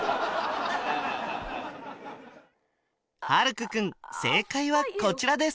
空君正解はこちらです